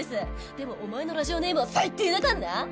でもお前のラジオネームは最低だかんな！